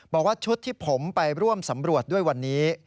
บอกว่าชุดที่ผมไปร่วมสำรวจด้วยวันนี้